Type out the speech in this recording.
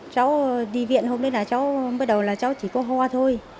cháu đi viện hôm nay là cháu mới đầu là cháu chỉ có hoa thôi